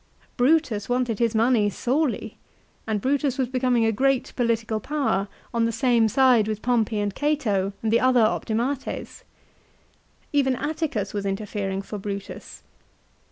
Brutus wanted his money sorely, and Brutus was becoming a great political power on the same side with Pompey, and Cato, and the other " optirnates." Even Atticus was interfering for Brutus.